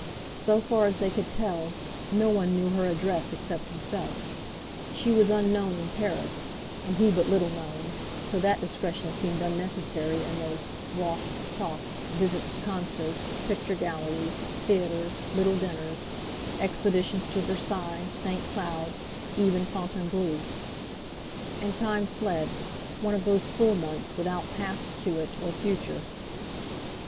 So far as they could tell, no one knew her address except himself; she was unknown in Paris, and he but little known, so that discretion seemed unnecessary in those walks, talks, visits to concerts, picture galleries, theatres, little dinners, expeditions to Versailles, St. Cloud, even Fontainebleau. And time fled—one of those full months without past to it or future.